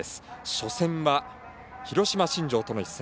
初戦は広島新庄との一戦。